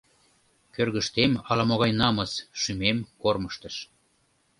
Кӧргыштем ала-могай намыс шӱмем кормыжтыш.